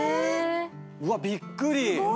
うわっびっくり！